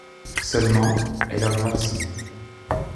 Seulement, elle a noirci.